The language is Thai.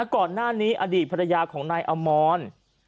ก่อนหน้านี้อดีตภรรยาของนายอมร